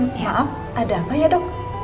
hmm ada apa ya dok